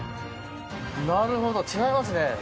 なるほど、違いますね。